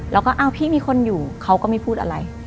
แล้วก็อ้าวพี่มีคนอยู่เขาก็ไม่พูดอะไร